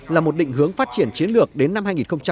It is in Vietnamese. là một định hướng phát triển chiến lược đến năm hai nghìn ba mươi